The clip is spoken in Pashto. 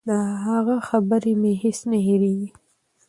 د هغه خبرې مې هېڅ نه هېرېږي.